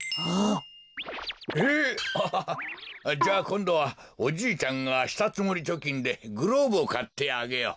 じゃあこんどはおじいちゃんがしたつもりちょきんでグローブをかってあげよう。